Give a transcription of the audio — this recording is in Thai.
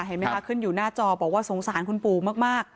เห็นไหมคะขึ้นอยู่หน้าจอบอกว่าสงสารคุณปู่มาก